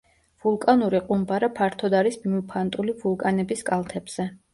ვულკანური ყუმბარა ფართოდ არის მიმოფანტული ვულკანების კალთებზე.